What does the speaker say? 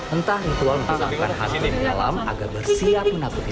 entah ritual untuk melakukan hal yang dalam agar bersiap menakutkan